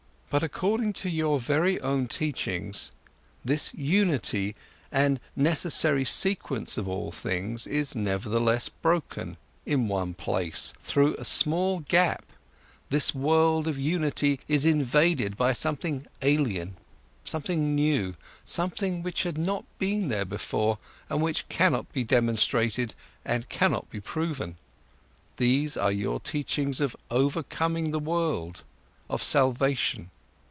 But according to your very own teachings, this unity and necessary sequence of all things is nevertheless broken in one place, through a small gap, this world of unity is invaded by something alien, something new, something which had not been there before, and which cannot be demonstrated and cannot be proven: these are your teachings of overcoming the world, of salvation.